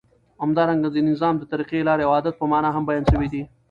همدارنګه د نظام د طریقی، لاری او عادت په معنی هم بیان سوی دی.